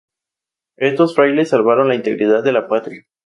Esos frailes salvaron la integridad de la Patria.